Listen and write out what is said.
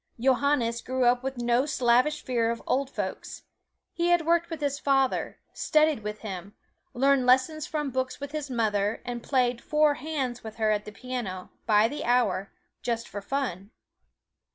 Johannes grew up with no slavish fear of "old folks." He had worked with his father, studied with him; learned lessons from books with his mother, and played "four hands" with her at the piano, by the hour, just for fun.